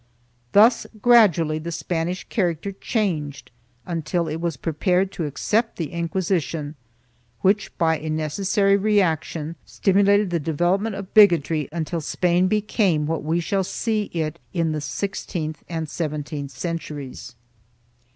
Thus gradually the Spanish character changed until it was prepared to accept the Inquisition, which, by a necessary reaction, stimulated the development of bigotry until Spain became what we shall see it in the sixteenth and seventeenth centuries.